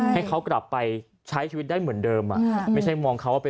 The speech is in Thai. ให้เขากลับไปใช้ชีวิตได้เหมือนเดิม